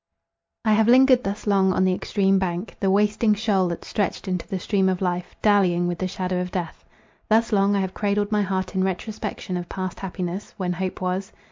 I have lingered thus long on the extreme bank, the wasting shoal that stretched into the stream of life, dallying with the shadow of death. Thus long, I have cradled my heart in retrospection of past happiness, when hope was.